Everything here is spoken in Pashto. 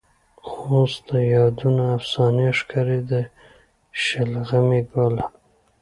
اوس د یادونه افسانې ښکاري. د شلغمې ګله